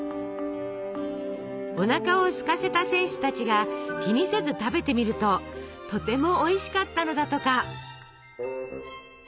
おなかをすかせた選手たちが気にせず食べてみるととてもおいしかったのだとか。